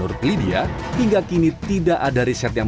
mungkin sebagian besaratt enam dari reckless